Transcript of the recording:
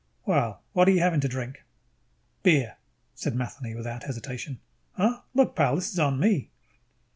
Well, what are you having to drink?" "Beer," said Matheny without hesitation. "Huh? Look, pal, this is on me."